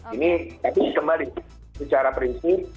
ini tapi kemarin secara prinsip